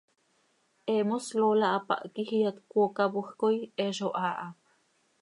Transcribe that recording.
He mos Lola hapáh quij iyat cöcoocapoj coi, he zo haa ha.